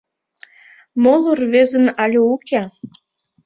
Моло рвезын але уке.